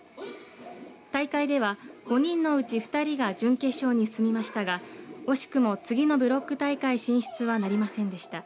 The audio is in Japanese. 大会では５人のうち２人が準決勝に進みましたが惜しくも次のブロック大会進出はなりませんでした。